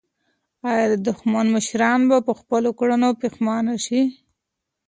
آیا د دښمن مشران به په خپلو کړنو پښېمانه شي؟